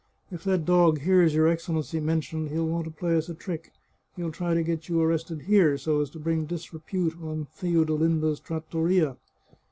If that dog hears your Excellency mentioned, he'll want to play us a trick; he'll try to get you arrested here, so as to bring disrepute on Theodolinda's trattoria.